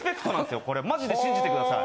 マジで信じてください。